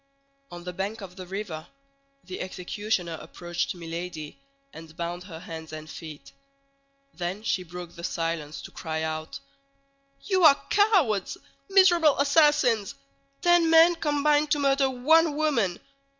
On the bank of the river the executioner approached Milady, and bound her hands and feet. Then she broke the silence to cry out, "You are cowards, miserable assassins—ten men combined to murder one woman.